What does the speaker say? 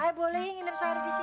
aji ayo boleh ngidip sehari di sini